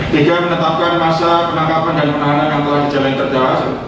tiga menetapkan masa penangkapan dan penahanan yang telah dijalankan terjelas